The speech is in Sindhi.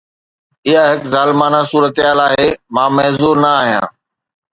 اها هڪ ظالمانه صورتحال آهي، مان معذور نه آهيان